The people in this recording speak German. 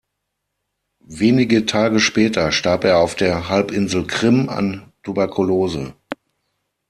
Wenige Tage später starb er auf der Halbinsel Krim an Tuberkulose.